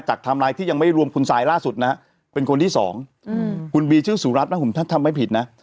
ไทม์ไลน์ที่ยังไม่รวมคุณซายล่าสุดนะฮะเป็นคนที่สองคุณบีชื่อสุรัตนนะผมท่านทำไม่ผิดนะ